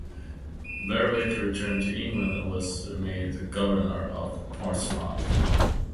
Berwick returned to England and was made Governor of Portsmouth.